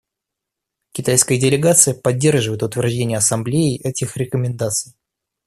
Китайская делегация поддерживает утверждение Ассамблеей этих рекомендаций.